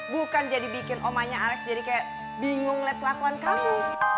bukan jadi bikin omanya alex jadi kayak bingung lihat kelakuan kamu